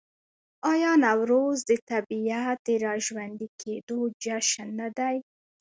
آیا نوروز د طبیعت د راژوندي کیدو جشن نه دی؟